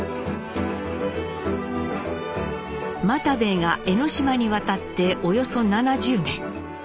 又兵衛が江島に渡っておよそ７０年。